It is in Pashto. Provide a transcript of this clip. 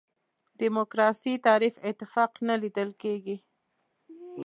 دیموکراسي تعریف اتفاق نه لیدل کېږي.